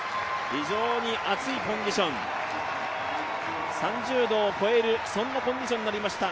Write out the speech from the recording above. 非常に暑いコンディション、３０度を超えるコンディションになりました